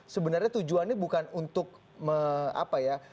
sebenarnya tujuannya bukan untuk apa ya